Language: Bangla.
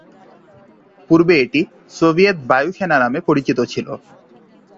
পূর্বে এটি সোভিয়েত বায়ু সেনা নামে পরিচিত ছিল।